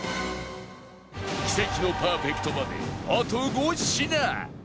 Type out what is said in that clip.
奇跡のパーフェクトまであと５品